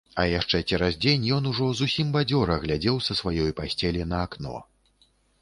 А яшчэ цераз дзень ён ужо зусім бадзёра глядзеў са сваёй пасцелі на акно.